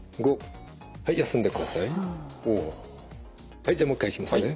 はいじゃあもう一回いきますね。